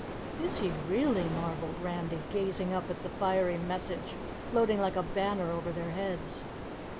"Is he really?" marveled Randy, gazing up at the fiery message floating like a banner over their heads.